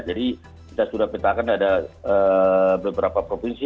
jadi kita sudah pindahkan ada beberapa provinsi